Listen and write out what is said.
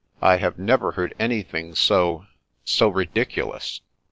" I have never heard anything so — so ridiculous."